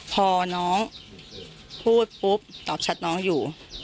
พอน้องพูดปุ๊บตอบชัดน้องอยู่